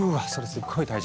すっごい大事！